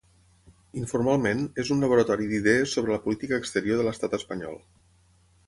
Informalment, és un laboratori d’idees sobre la política exterior de l’estat espanyol.